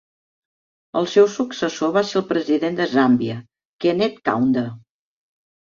El seu successor va ser el president de Zàmbia, Kenneth Kaunda.